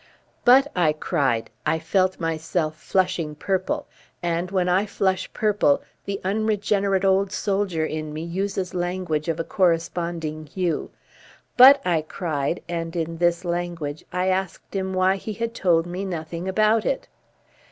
"But," I cried I felt myself flushing purple and, when I flush purple, the unregenerate old soldier in me uses language of a corresponding hue "But," I cried and in this language I asked him why he had told me nothing about it.